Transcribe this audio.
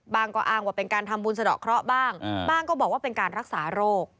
ก็อ้างว่าเป็นการทำบุญสะดอกเคราะห์บ้างบ้างก็บอกว่าเป็นการรักษาโรค